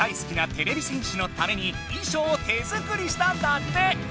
てれび戦士のためにいしょうを手作りしたんだって！